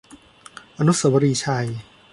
อนุสาวรีย์ชัย